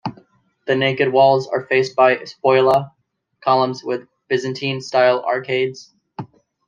The naked walls are faced by "spolia" columns with Byzantine style arcades.